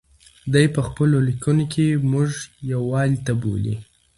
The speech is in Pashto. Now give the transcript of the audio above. دی په خپلو لیکنو کې موږ یووالي ته بولي.